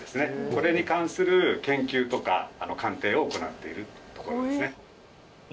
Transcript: これに関する研究とか鑑定を行っている所ですね。